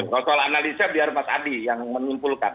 kalau soal analisa biar mas adi yang menyimpulkan